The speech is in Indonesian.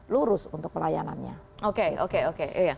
lurus untuk pelayanannya oke oke oke